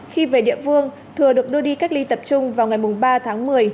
khi về địa phương thừa được đưa đi cách ly tập trung vào ngày ba tháng một mươi